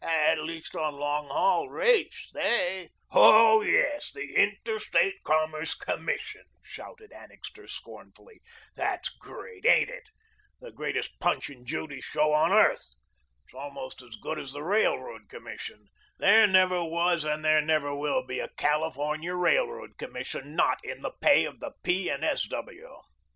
At least on long haul rates they " "Hoh, yes, the Interstate Commerce Commission," shouted Annixter, scornfully, "that's great, ain't it? The greatest Punch and Judy; show on earth. It's almost as good as the Railroad Commission. There never was and there never will be a California Railroad Commission not in the pay of the P. and S. W."